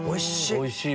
おいしい！